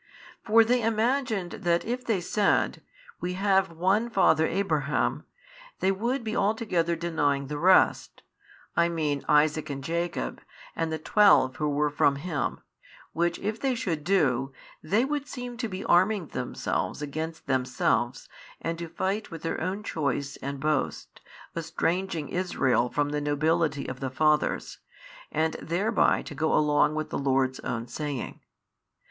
For they imagined that if they said, We have one father Abraham, they would be altogether denying the rest, I mean Isaac and Jacob, and the twelve who were from him, which if they should do, they would seem to be arming themselves against themselves and to fight with their own choice and boast, estranging Israel from the nobility of the fathers, and thereby to go along with the Lord's own saying.